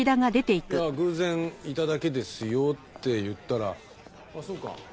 「偶然いただけですよ」って言ったら「そうか。